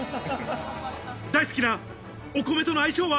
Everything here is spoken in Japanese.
大好きなお米との相性は？